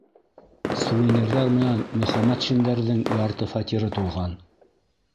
Сувенирҙар менән Мөхәмәтшиндәрҙең ярты фатиры тулған.